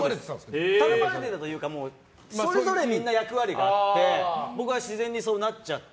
頼まれてたというかそれぞれみんな役割があって僕は自然にそうなっちゃって。